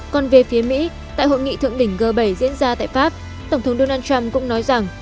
còn về phía mỹ tại hội nghị thượng đỉnh g bảy diễn ra tại pháp tổng thống donald trump cũng nói rằng